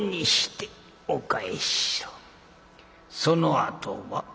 そのあとは？」。